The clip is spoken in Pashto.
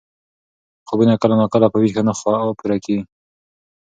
خوبونه کله ناکله په ویښه نه پوره کېږي.